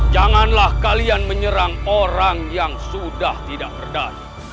janganlah kalian menyerang orang yang sudah tidak berdaya